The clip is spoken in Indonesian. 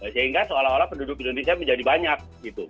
sehingga seolah olah penduduk indonesia menjadi banyak gitu